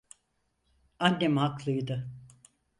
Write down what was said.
Annem haklıydı.